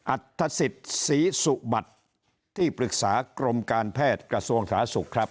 อัฐศิษย์ศรีสุบัติที่ปรึกษากรมการแพทย์กระทรวงสาธารณสุขครับ